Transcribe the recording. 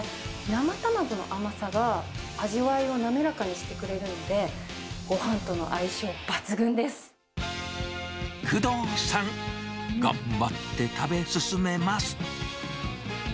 生卵の甘さが味わいを滑らかにしてくれるので、工藤さん、頑張って食べ進めます。